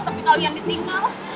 tapi kalian ditinggal